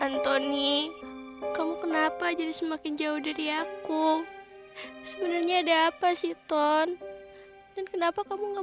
antoni kamu kenapa jadi semakin jauh dari aku sebenarnya ada apa sih ton dan kenapa kamu gak